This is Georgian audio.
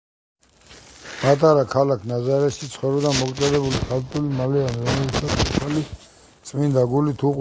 პატარა ქალაქ ნაზარეთში ცხოვრობდა მოკრძალებული ქალწული, მარიამი, რომელსაც უფალი წმინდა გულით უყვარდა.